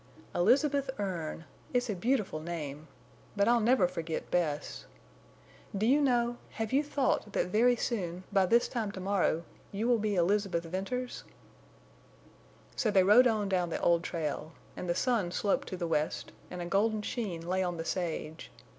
"Elizabeth Erne! It's a beautiful name. But I'll never forget Bess. Do you know—have you thought that very soon—by this time to morrow—you will be Elizabeth Venters?" So they rode on down the old trail. And the sun sloped to the west, and a golden sheen lay on the sage.